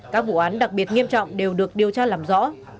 các vụ án đặc biệt nghiêm trọng đều được điều tra làm rõ